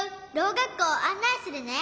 がっこうをあんないするね。